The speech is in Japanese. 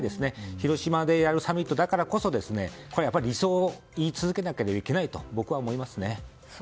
広島でやるサミットだからこそ理想を追い続けなきゃいけないと僕は思いますね。